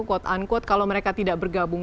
quote unquote kalau mereka tidak bergabung